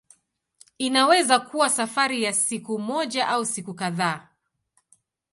Inaweza kuwa safari ya siku moja au siku kadhaa.